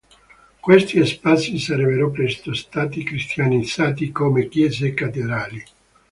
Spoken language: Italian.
Questi spazi sarebbero presto stati cristianizzati come chiese e cattedrali.